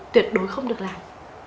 tuyệt đối không được làm